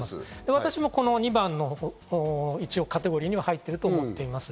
私もこの２番のカテゴリーに入ってると思っています。